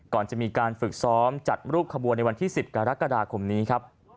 ก่อนจะมีการฝึกซ้อมจัดรูปขบวนในวันที่๑๐กรกฎาคมนี้ครับ